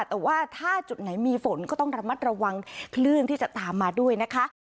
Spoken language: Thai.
แต่ว่าถ้าจุดไหนมีฝนก็ต้องระมัดระวังคลื่นที่จะตามมาด้วยนะคะ